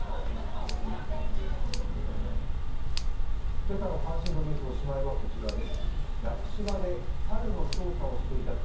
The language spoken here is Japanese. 今朝の関心度ニュース、おしまいはこちらです。